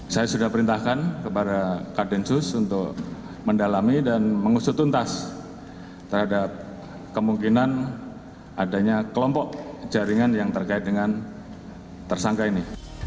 saya sudah perintahkan kepada kadensus untuk mendalami dan mengusutuntas terhadap kemungkinan adanya kelompok jaringan yang terkait dengan tersangka ini